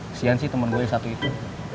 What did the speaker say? kasian sih temen gue yang satu itu